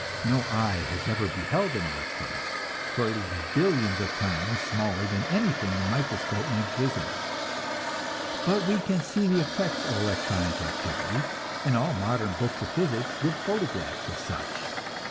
No eye has ever beheld an electron, for it is billions of times smaller than anything the microscope makes visible; but we can see the effects of electronic activity, and all modern books of physics give photographs of such.